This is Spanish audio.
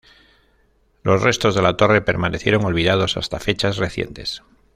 Los restos de la torre permanecieron olvidados hasta fechas recientes.